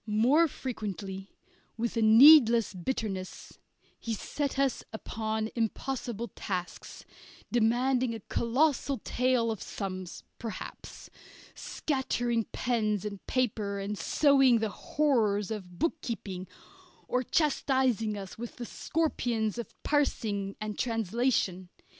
More frequently, with a needless bitterness, he set us upon impossible tasks, demanding a colossal tale of sums perhaps, scattering pens and paper and sowing the horrors of bookkeeping, or chastising us with the scorpions of parsing and translation.